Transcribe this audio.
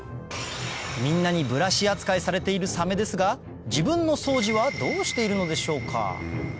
みんなにブラシ扱いされているサメですが自分の掃除はどうしているのでしょうか？